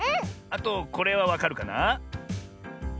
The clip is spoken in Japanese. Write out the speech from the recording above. あとこれはわかるかな？